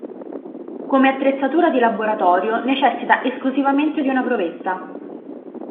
Come attrezzatura di laboratorio necessita esclusivamente di una provetta.